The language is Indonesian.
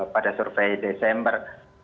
pada survei desember dua ribu dua puluh satu